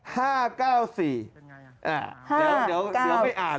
ห้าเก้าสี่เออทั้งที่ปงที่ไปอ่านแล้ว